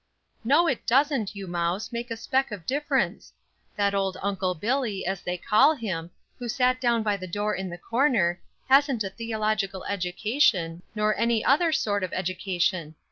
"No it doesn't, you mouse, make a speck of difference. That old Uncle Billy, as they call him, who sat down by the door in the corner, hasn't a theological education, nor any other sort of education.